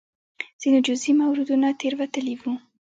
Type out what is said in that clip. ځینې جزئي موردونو تېروتلي وو.